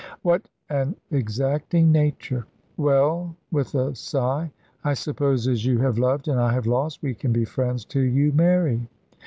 "What an exacting nature! Well" with a sigh "I suppose as you have loved and I have lost, we can be friends till you marry."